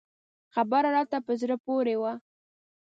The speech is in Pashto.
خبر راته په زړه پورې و.